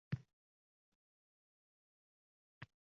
Qolaversa, biznesi bor amaldor